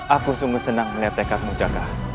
aku sungguh senang melihat tekatmu jaka